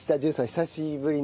久しぶりの。